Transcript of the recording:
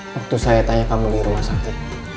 waktu saya tanya kamu di rumah sakit